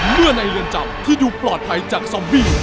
เรื่องในเรือนจับที่ดูปลอดภัยจากซอมบี้